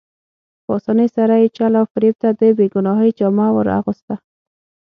په اسانۍ سره یې چل او فریب ته د بې ګناهۍ جامه ور اغوسته.